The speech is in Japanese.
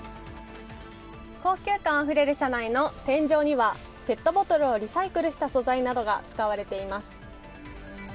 高級感あふれる車内の天井にはペットボトルをリサイクルした素材などが使われています。